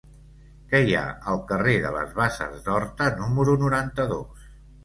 Què hi ha al carrer de les Basses d'Horta número noranta-dos?